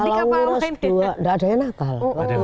kalau ngurus dua gak adanya nakal